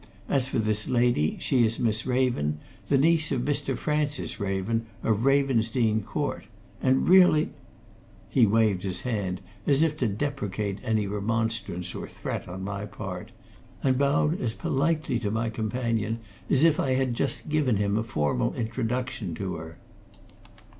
As for this lady, she is Miss Raven, the niece of Mr. Francis Raven, of Ravensdene Court. And really " He waved his hand as if to deprecate any remonstrance or threat on my part, and bowed as politely to my companion as if I had just given him a formal introduction to her.